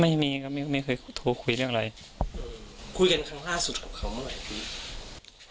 ไม่มีครับไม่เคยโทรคุยเรื่องอะไรคุยกันครั้งล่าสุดกับเขาเมื่อไหร่พี่